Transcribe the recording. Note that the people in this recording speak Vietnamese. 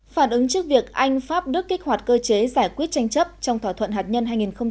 phản ứng trước việc anh pháp đức kích hoạt cơ chế giải quyết tranh chấp trong thỏa thuận hạt nhân hai nghìn một mươi năm